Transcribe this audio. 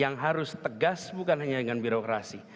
yang harus tegas bukan hanya dengan birokrasi